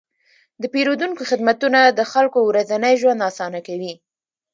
د پیرودونکو خدمتونه د خلکو ورځنی ژوند اسانه کوي.